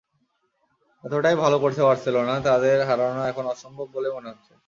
এতটাই ভালো করছে বার্সেলোনা, তাদের হারানো এখন অসম্ভব বলেই মনে হচ্ছে।